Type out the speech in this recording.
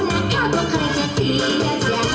มันรอแต่เสียอยู่ใจ